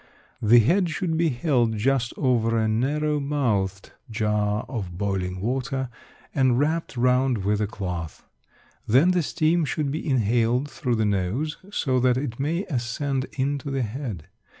The head should be held just over a narrow mouthed jar of boiling water, and wrapped round with a cloth. Then the steam should be inhaled through the nose so that it may ascend into the head.